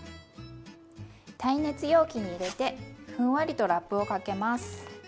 耐熱容器に入れてふんわりとラップをかけます。